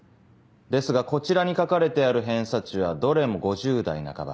ですがこちらに書かれてある偏差値はどれも５０台半ば。